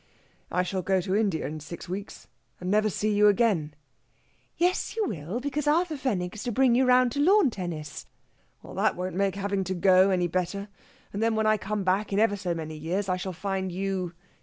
"I shall go to India in six weeks, and never see you again." "Yes, you will; because Arthur Fenwick is to bring you round to lawn tennis...." "That won't make having to go any better. And then when I come back, in ever so many years, I shall find you...."